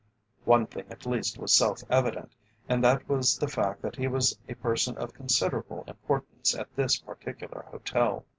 One thing at least was self evident, and that was the fact that he was a person of considerable importance at this particular hotel.